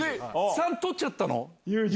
さん取っちゃったの？